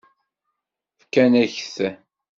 Fkan-ak-t.